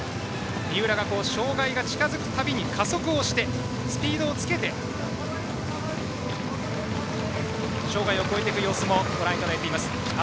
三浦が障害が近づくたびに加速をしてスピードをつけて障害を越える様子もご覧いただいています。